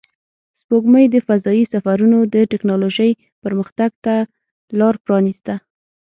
سپوږمۍ د فضایي سفرونو د تکنالوژۍ پرمختګ ته لار پرانیسته